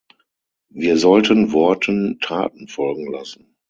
Wir sollten Worten Taten folgen lassen.